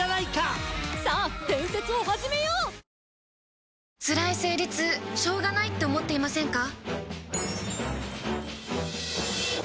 これつらい生理痛しょうがないって思っていませんか？